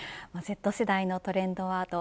Ｚ世代のトレンドワード